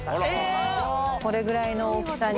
これぐらいの大きさに。